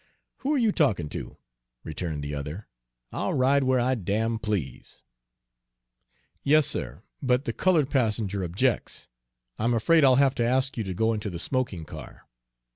"Who are you talkin' to?" returned the other. "I'll ride where I damn please." "Yes, sir, but the colored passenger objects. I'm afraid I'll have to ask you to go into the smoking car."